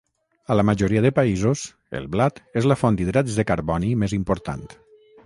A la majoria de països, el blat és la font d'hidrats de carboni més important.